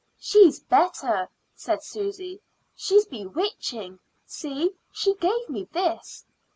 "She's better," said Susy; "she's bewitching. See; she gave me this."